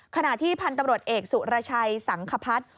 ขณะที่พันธุ์ตำรวจเอกสุรชัยสังคพัฒน์